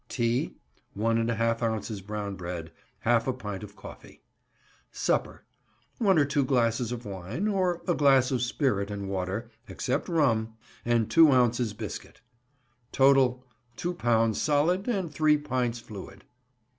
Tea.—One and a half ounces brown bread; half a pint of coffee. Supper.—One or two glasses of wine, or a glass of spirit and water (except rum); and two ounces biscuit. Total.—Two pounds solid and three pints fluid.